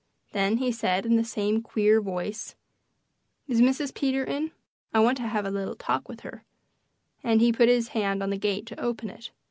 Then he said, in the same queer voice: "Is Mrs. Peter in? I wanted to have a little talk with her," and he put his hand on the gate to open it.